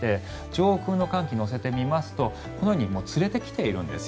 上空の寒気を乗せてみますとこのように連れてきているんです。